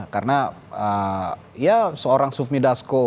karena ya seorang sufmi dasko